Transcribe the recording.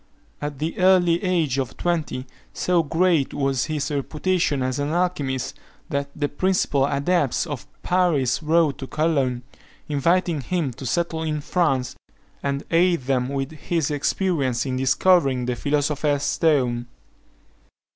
At the early age of twenty, so great was his reputation as an alchymist, that the principal adepts of Paris wrote to Cologne, inviting him to settle in France, and aid them with his experience in discovering the philosopher's stone.